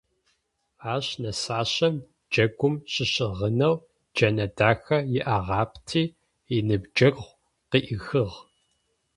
Ащ нысащэм джэгум щыщыгъынэу джэнэ дахэ иӏагъэпти, иныбджэгъу къыӏихыгъ.